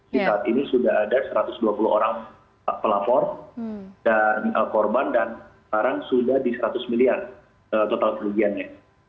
di saat ini sudah ada satu ratus dua puluh orang pelapor dan korban dan sekarang sudah di seratus miliar total kerugiannya